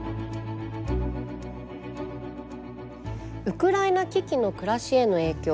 ウクライナ危機の暮らしへの影響。